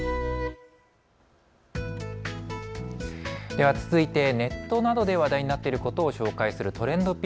では続いてネットなどで話題になっていることを紹介するＴｒｅｎｄＰｉｃｋｓ。